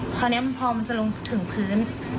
พอเนี้ยพอมันจะลงถึงพื้น